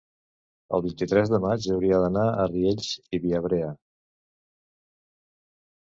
el vint-i-tres de maig hauria d'anar a Riells i Viabrea.